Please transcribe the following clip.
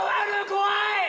怖い！